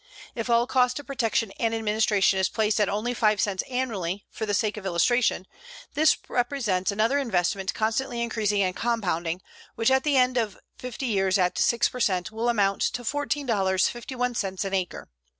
If all cost of protection and administration is placed at only 5 cents annually, for the sake of illustration, this represents another investment constantly increasing and compounding, which, at the end of 50 years at 6 per cent, will amount to $14.51 an acre.